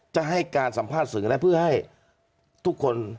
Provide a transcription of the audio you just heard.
จะให้การสัมภาษณ์สื่อและเพื่อให้ทุกคน